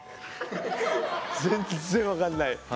全然分かんない。